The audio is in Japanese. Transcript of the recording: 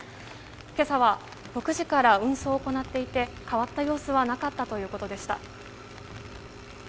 今朝は６時から運送を行っていて変わった様子はなかったということでした。